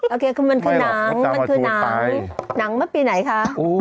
โอเคคือมันคือนังคือนังหนังเมื่อปีไหนคะโอ้โห